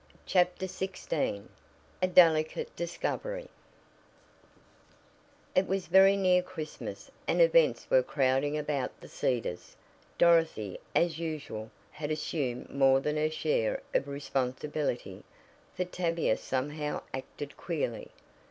CHAPTER XVI A DELICATE DISCOVERY It was very near Christmas, and events were crowding about The Cedars. Dorothy, as usual, had assumed more than her share of responsibility, for Tavia somehow acted queerly.